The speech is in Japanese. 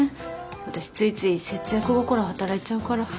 私ついつい節約心働いちゃうから。